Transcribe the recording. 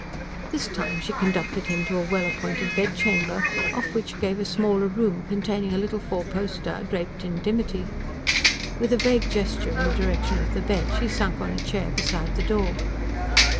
This time she conducted him to a well appointed bedchamber, off which gave a smaller room, containing a little four poster draped in dimity. With a vague gesture in the direction of the bed, she sank on a chair beside the door.